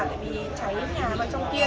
tại vì cháy nhà và trong kia